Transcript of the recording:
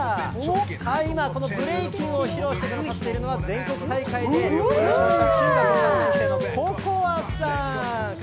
今、ブレイキンを披露してくださっていますのは、全国大会で優勝した中学３年生のＣｏｃｏａさん。